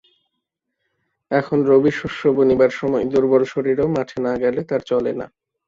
এখন রবিশস্য বুনিবার সময় দুর্বল শরীরেও মাঠে না গেলে তার চলে না।